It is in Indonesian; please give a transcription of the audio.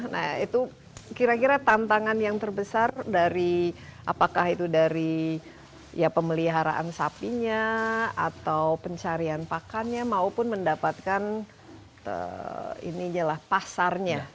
nah itu kira kira tantangan yang terbesar dari apakah itu dari ya pemeliharaan sapinya atau pencarian pakannya maupun mendapatkan pasarnya